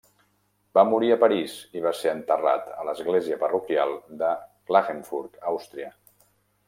Va morir a París i va ser enterrat a l'església parroquial de Klagenfurt Àustria.